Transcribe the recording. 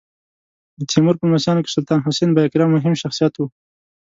د تیمور په لمسیانو کې سلطان حسین بایقرا مهم شخصیت و.